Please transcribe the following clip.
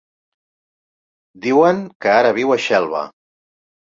Diuen que ara viu a Xelva.